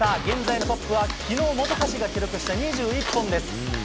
現在のトップは昨日、本橋が記録した２１本です。